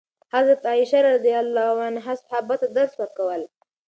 حضرت عایشه رضي الله عنها صحابه ته درس ورکول.